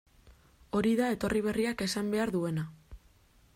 Hori da etorri berriak esan behar duena.